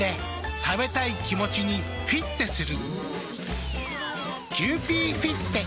食べたい気持ちにフィッテする。